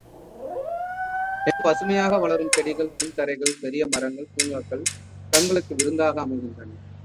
எங்கும் பசுமையாக வளரும் செடிகள், புல் தரைகள், பெரிய மரங்கள், பூங்காக்கள் கண்களுக்கு விருந்தாக அமைகின்றன.